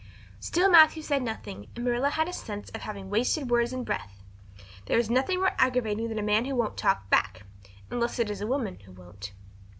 Still Matthew said nothing and Marilla had a sense of having wasted words and breath. There is nothing more aggravating than a man who won't talk back unless it is a woman who won't.